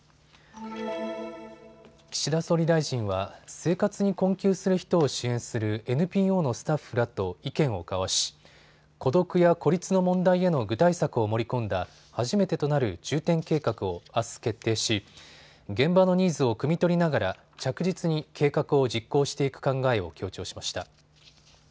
岸田総理大臣は生活に困窮する人を支援するＮＰＯのスタッフらと意見を交わし孤独や孤立の問題への具体策を盛り込んだ初めてとなる重点計画をあす決定し現場のニーズをくみ取りながら着実に計画を実行していく考えを強調しました。